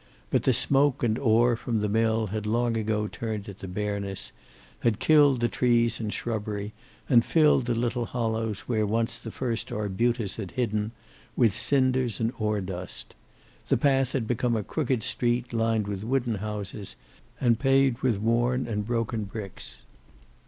But the smoke and ore from the mill had long ago turned it to bareness, had killed the trees and shrubbery, and filled the little hollows where once the first arbutus had hidden with cinders and ore dust. The path had become a crooked street, lined with wooden houses, and paved with worn and broken bricks.